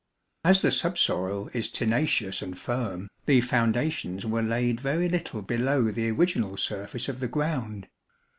As the subsoil is tenacious and firm, the foundations were laid very little below the original surface of the ground.